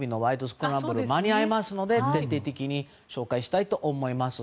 スクランブル」間に合いますので徹底的に紹介したいと思います。